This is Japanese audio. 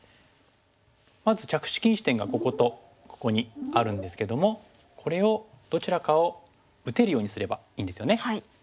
まず着手禁止点がこことここにあるんですけどもこれをどちらかを打てるようにすればいいんですよね。